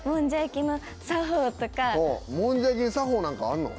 もんじゃ焼きに作法なんかあんの？